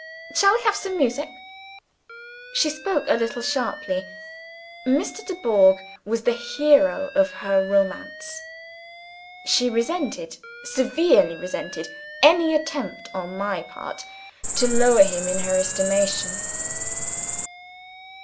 Shall we have some music?" She spoke a little sharply. Mr. Dubourg was the hero of her romance. She resented seriously resented any attempt on my part to lower him in her estimation.